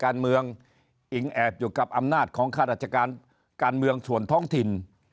การเมืองอิงแอบอยู่กับอำนาจของข้าราชการการเมืองส่วนท้องถิ่น